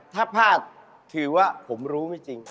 ถ้าพลาดถือว่าผมรู้ไม่จริง